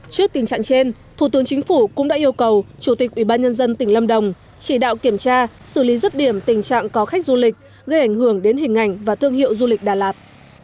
trước tình trạng trên thủ tướng chính phủ cũng đã yêu cầu chủ tịch ubnd tỉnh lâm đồng chỉ đạo kiểm tra xử lý rứt điểm tình trạng có khách du lịch gây ảnh hưởng đến hình ảnh và thương hiệu du lịch đà lạt